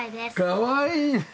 かわいいね！